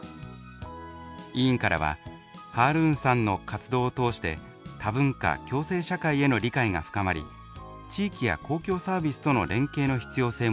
委員からは「ハールーンさんの活動を通して多文化共生社会への理解が深まり地域や公共サービスとの連携の必要性も実感した。